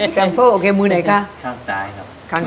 ถ้าเป็นก็ให้๒บ้าง